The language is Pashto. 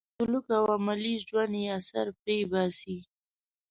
پر سلوک او عملي ژوند یې اثر پرې باسي.